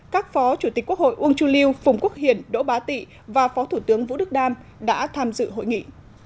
các phó chủ tịch quốc hội uông chu liêu phùng quốc hiển đỗ bá tị và phó thủ tướng vũ đức đam đã tham dự hội nghị